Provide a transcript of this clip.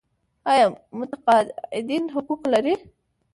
آیا متقاعدین حقوق لري؟